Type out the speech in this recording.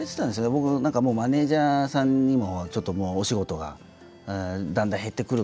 僕何かもうマネージャーさんにもちょっともうお仕事がだんだん減ってくるから。